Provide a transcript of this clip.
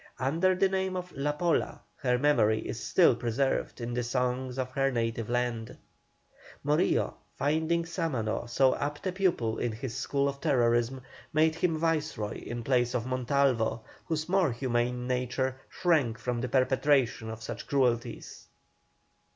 Under the name of La Pola her memory is still preserved in the songs of her native land. Morillo, finding Sámano so apt a pupil in his school of terrorism, made him Viceroy in place of Montalvo, whose more humane nature shrank from the perpetration of such cruelties.